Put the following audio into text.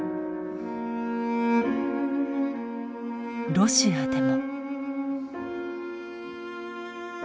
ロシアでも。